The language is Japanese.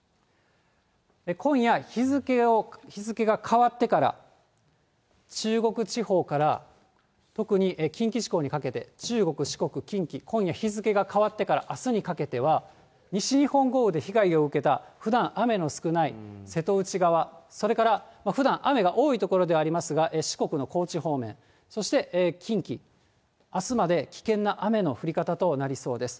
今夜、日付が変わってから、中国地方から、特に近畿地方にかけて、中国、四国、近畿、今夜日付が変わってからあすにかけては、西日本豪雨で被害を受けた、ふだん雨の少ない瀬戸内側、それからふだん雨が多い所ではありますが、四国の高知方面、そして近畿、あすまで危険な雨の降り方となりそうです。